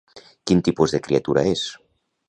Quin tipus de criatura és?